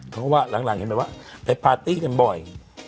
เพราะว่าหลังไปปาร์ตี้เก่งบ่อย